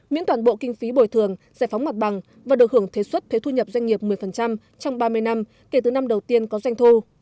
miễn toàn bộ kinh phí bồi thường giải phóng mặt bằng và được hưởng thế suất thuế thu nhập doanh nghiệp một mươi trong ba mươi năm kể từ năm đầu tiên có doanh thu